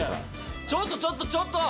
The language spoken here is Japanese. ちょっとちょっとちょっと！